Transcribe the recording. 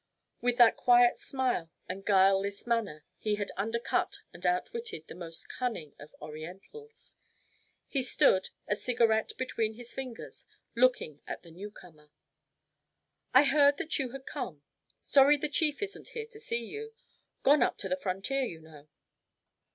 With that quiet smile and guileless manner he had undercut and outwitted the most cunning of Orientals. He stood, a cigarette between his fingers, looking at the newcomer. "I heard that you had come. Sorry the chief isn't here to see you. Gone up to the frontier, you know."